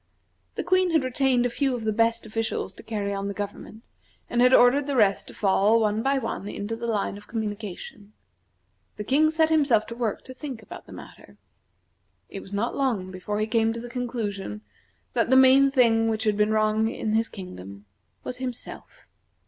The Queen had retained a few of the best officials to carry on the government, and had ordered the rest to fall, one by one, into the line of communication. The King set himself to work to think about the matter. It was not long before he came to the conclusion that the main thing which had been wrong in his kingdom was himself.